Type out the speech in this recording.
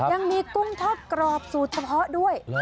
กุ้งทอดกรอบสูตรเฉพาะด้วย